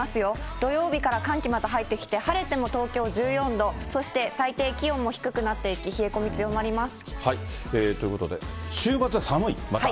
土曜日から寒気また入ってきて、晴れても東京１４度、そして最低気温も低くなっていき、冷え込み強まります。